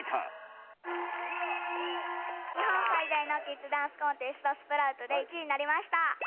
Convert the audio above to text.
日本最大のキッズダンスコンテスト、スプラウトで１位になりました。